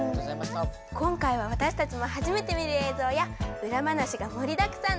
今回は私たちも初めて見る映像や裏話が盛りだくさん。